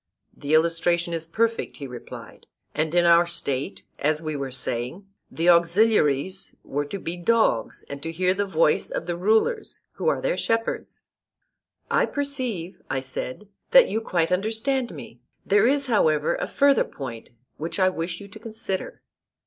The illustration is perfect, he replied; and in our State, as we were saying, the auxiliaries were to be dogs, and to hear the voice of the rulers, who are their shepherds. I perceive, I said, that you quite understand me; there is, however, a further point which I wish you to consider.